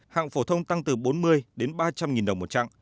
hạng phổ thông tăng từ bốn mươi đến ba trăm linh nghìn đồng một chặng